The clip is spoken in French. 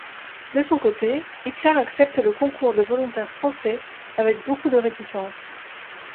De son côté, Hitler accepte le concours de volontaires français avec beaucoup de réticence.